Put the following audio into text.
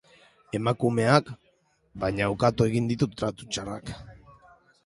Emakumeak, baina, ukatu egin ditu tratu txarrak.